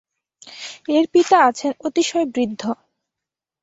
এর পিতা আছেন অতিশয় বৃদ্ধ।